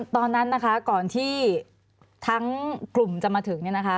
ตอนนั้นก่อนที่ทั้งกลุ่มจะมาถึง